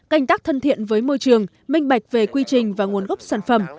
canh tác thân thiện với môi trường minh bạch về quy trình và nguồn gốc sản phẩm